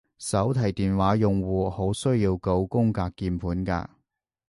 手提電話用戶好需要九宮格鍵盤㗎